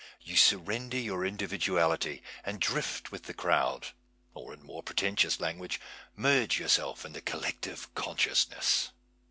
You surrender your individuality and drift with the crowd, or, in more pretentious language, merge yourself in the collective conscious ness.